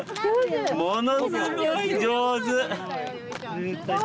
ものすごい上手！